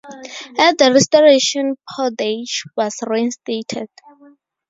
At the Restoration Pordage was reinstated.